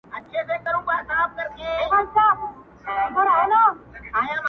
استاد په وازه خوله ورته کتل